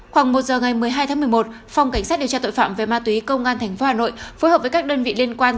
khoảng một giờ ngày một mươi hai tháng một mươi một phòng cảnh sát điều tra tội phạm về ma túy công an tp hà nội phối hợp với các đơn vị liên quan